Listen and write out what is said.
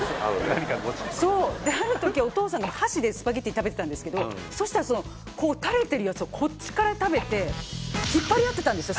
何かが落ちてくるとである時お父さんが箸でスパゲティ食べてたんですけどそしたらそのこう垂れてるやつをこっちから食べて引っ張り合ってたんですよ